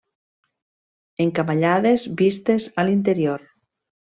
Encavallades vistes a l'interior.